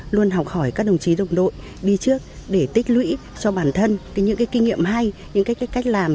luôn học hỏi các đồng chí đồng đội đi trước để tích lũy cho bản thân những cái kinh nghiệm hay những cái cách làm